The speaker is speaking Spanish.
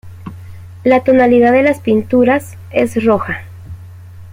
La tonalidad de las pinturas es roja.